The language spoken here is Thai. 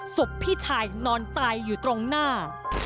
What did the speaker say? พี่ชายนอนตายอยู่ตรงหน้า